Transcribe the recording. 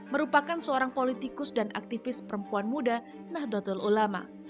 merupakan seorang politikus dan aktivis perempuan muda nahdlatul ulama